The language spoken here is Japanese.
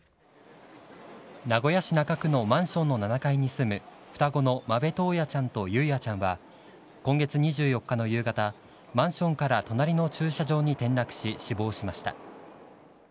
名古屋市中区のマンションの７階に住む双子の間部登也ちゃんと雄也ちゃんは、今月２４日の夕方、マンションから隣の駐車場に転落し、死亡しました。